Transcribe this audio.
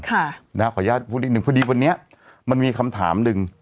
ขออนุญาตพูดนิดนึงพอดีวันนี้มันมีคำถามหนึ่ง